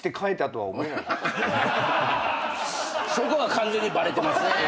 そこは完全にバレてますね。